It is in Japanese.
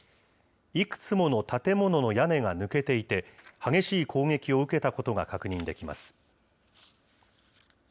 いくつもの建物の屋根が抜けていて、激しい攻撃を受けたことが確認できます。